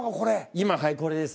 今はいこれです。